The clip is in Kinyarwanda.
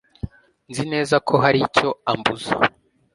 Nzi neza ko hari icyo ambuza.